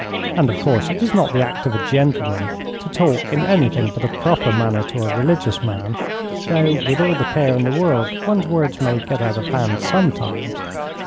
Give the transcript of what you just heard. And of course it is not the act of a gentleman to talk in anything but a proper manner to a religious man, though, with all the care in the world, one's words may get out of hand sometimes.